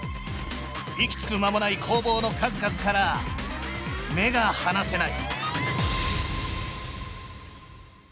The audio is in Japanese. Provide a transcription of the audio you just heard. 息つく間もない攻防の数々から目が離せない。